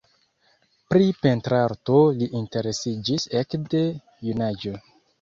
Pri pentrarto li interesiĝis ekde junaĝo.